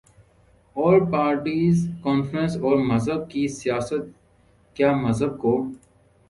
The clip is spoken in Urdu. آل پارٹیز کانفرنس اور مذہب کی سیاست کیا مذہب کو